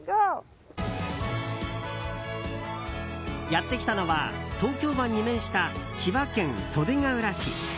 やってきたのは東京湾に面した千葉県袖ケ浦市。